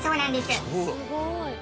すごい！